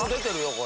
これ。